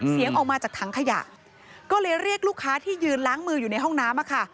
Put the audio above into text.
ออกมาจากถังขยะก็เลยเรียกลูกค้าที่ยืนล้างมืออยู่ในห้องน้ำค่ะ